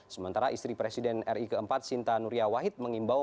sementara istri presiden ri keempat sinta nuria wahid mengimbau